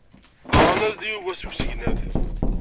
Ɣran-as-d i Yuba seg usegnaf.